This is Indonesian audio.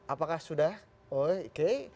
apakah sudah oke